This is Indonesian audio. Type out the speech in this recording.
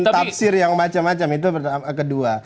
tafsir yang macam macam itu kedua